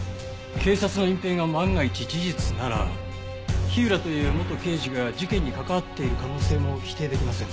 警察の隠蔽が万が一事実なら火浦という元刑事が事件に関わっている可能性も否定できませんね。